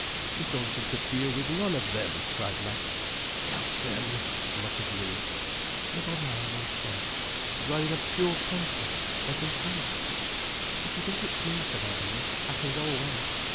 "We don't interfere with none of them," cried Max. "Curse them," muttered Louis. "Never mind, mon cher. You are in a pure country. Let us wait." "If you think it's me," said Alvina, "I can go away."